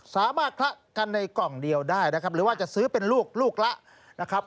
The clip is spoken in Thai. คละกันในกล่องเดียวได้นะครับหรือว่าจะซื้อเป็นลูกลูกละนะครับ